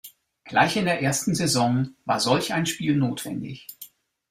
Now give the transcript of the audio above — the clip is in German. Gleich in der ersten Saison war solch ein Spiel notwendig.